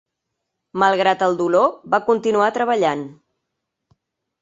Malgrat el dolor, va continuar treballant.